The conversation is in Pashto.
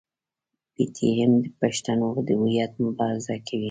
پي ټي ایم د پښتنو د هویت مبارزه کوي.